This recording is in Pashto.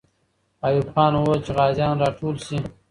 ایوب خان وویل چې غازیان راټول سي.